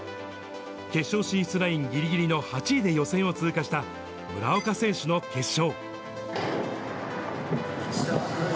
決勝進出ラインぎりぎりの８位で予選を通過した村岡選手の決勝。